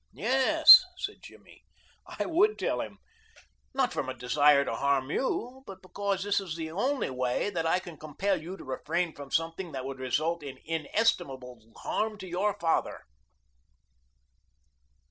"Yes," said Jimmy, "I would tell him, not from a desire to harm you, but because this is the only way that I can compel you to refrain from something that would result in inestimable harm to your father."